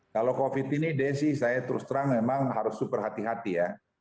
kalau covid ini desi saya terus terang memang harus super hati hati ya